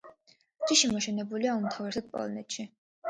ჯიში მოშენებულია უმთავრესად პოლონეთში.